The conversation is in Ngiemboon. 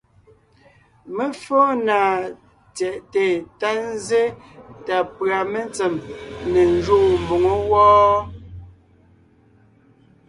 Mé fóo na tsyɛ̀ʼte ta zsé ta pʉ̀a metsem ne njúʼu mboŋó wɔ́,